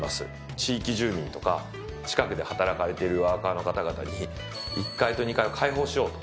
地域住民とか近くで働かれているワーカーの方々に１階と２階を開放しようと。